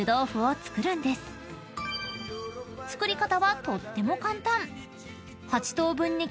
［作り方はとっても簡単］